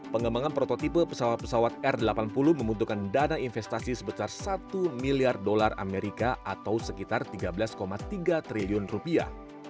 pengembangan prototipe pesawat pesawat r delapan puluh membutuhkan dana investasi sebesar satu miliar dolar amerika atau sekitar tiga belas tiga triliun rupiah